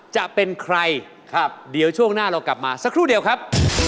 จะเป็นใครครับเดี๋ยวช่วงหน้าเรากลับมาสักครู่เดียวครับ